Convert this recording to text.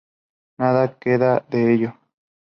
Nada queda de ello.